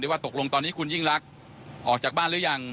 ว่าตกลงตอนนี้คุณยิ่งรักออกจากบ้านหรือยัง